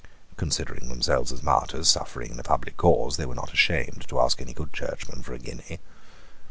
Considering themselves as martyrs suffering in a public cause, they were not ashamed to ask any good churchman for a guinea.